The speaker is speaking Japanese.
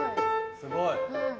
すごい。